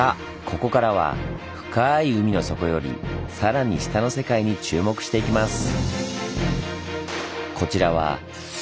ここからは深い海の底よりさらに下の世界に注目していきます。